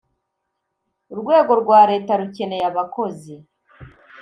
urwego rwa leta rukeneye abakozi